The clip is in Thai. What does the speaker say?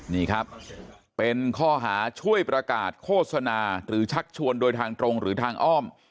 นี่ครับเป็นข้อหาช่วยประกาศโฆษณาหรือชักชวนโดยทางตรงหรือทางอ้อม